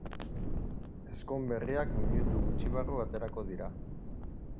Ezkon berriak minutu gutxibarru aterako dira.